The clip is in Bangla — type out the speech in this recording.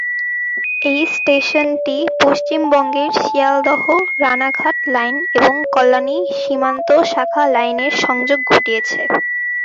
এই স্টেশনটি পশ্চিমবঙ্গের শিয়ালদহ-রাণাঘাট লাইন এবং কল্যাণী সীমান্ত শাখা লাইনের সংযোগ ঘটিয়েছে।